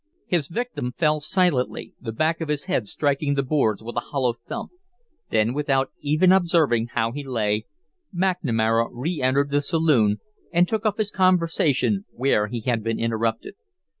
His victim fell silently, the back of his head striking the boards with a hollow thump; then, without even observing how he lay, McNamara re entered the saloon and took up his conversation where he had been interrupted.